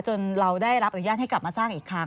เราได้รับอนุญาตให้กลับมาสร้างอีกครั้ง